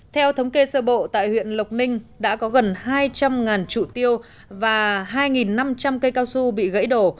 theo thống kê sơ bộ tại huyện lộc ninh đã có gần hai trăm linh trụ tiêu và hai năm trăm linh cây cao su bị gãy đổ